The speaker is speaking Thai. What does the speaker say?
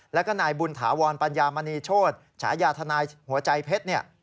แล้วก็นายบุญถาวรปัญญามณีโชธฉายาทนายหัวใจเพชรเนี่ย